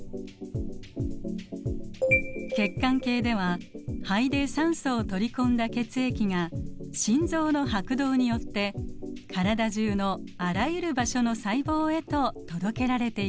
血管系では肺で酸素を取り込んだ血液が心臓の拍動によって体中のあらゆる場所の細胞へと届けられていきます。